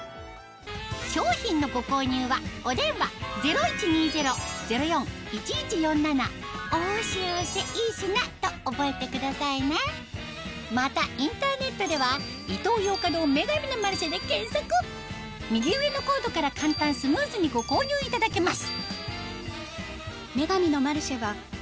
商品のご購入はお電話０１２０−０４−１１４７と覚えてくださいねまたインターネットでは右上のコードから簡単スムーズにご購入いただけます